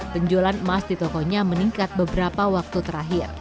penjualan emas di tokonya meningkat beberapa waktu terakhir